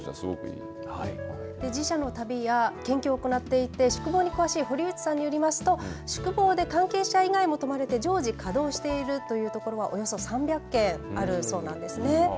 寺社の旅や研究を行っていて宿坊の詳しい堀内さんによりますと宿坊で関係者以外も泊まると常時稼働しているというところはおよそ３００軒あるそうなんですね。